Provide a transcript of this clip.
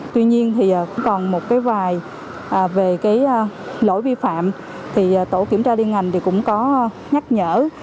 tuy nhiên thì cũng còn một cái vài về cái lỗi vi phạm thì tổ kiểm tra liên ngành thì cũng có nhắc nhở